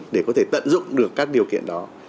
để có thể tận dụng được các điều kiện đó